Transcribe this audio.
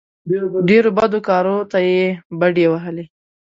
ډېرو بدو کارو ته یې بډې وهلې.